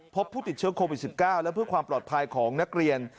พบผู้ติดเชื้อโควิด๑๙และเพื่อความปลอดภัยของนักเรียน